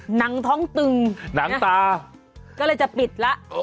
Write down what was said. หนังท้องตึงหนังตาก็เลยจะปิดแล้ว